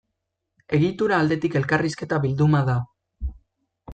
Egitura aldetik elkarrizketa bilduma da.